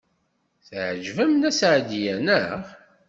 Teɛjeb-am Nna Seɛdiya, naɣ?